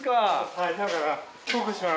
はいだから。